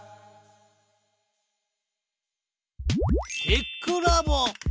テックラボ。